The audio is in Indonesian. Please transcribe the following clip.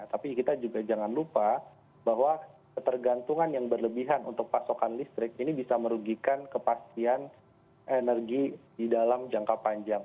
tapi kita juga jangan lupa bahwa ketergantungan yang berlebihan untuk pasokan listrik ini bisa merugikan kepastian energi di dalam jangka panjang